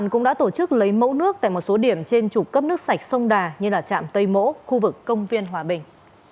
hội chức lấy mẫu nước tại một số điểm trên trục cấp nước sạch sông đà như là trạm tây mỗ khu vực công viên hòa bình